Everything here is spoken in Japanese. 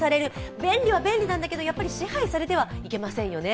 便利は便利なんですけど、やっぱり支配されてはいけませんよね。